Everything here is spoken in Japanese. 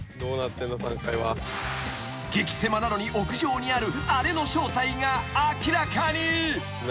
［激せまなのに屋上にあるあれの正体が明らかに］